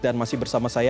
dan masih bersama saya